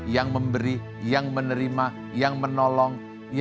yang memberi yang menerima yang menolong